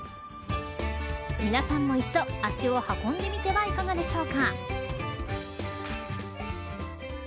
皆さんも一度、足を運んでみてはいかがでしょうか。